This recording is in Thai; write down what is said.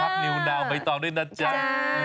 พับนิ้วได้ไม่ตกด้ายนะจ้า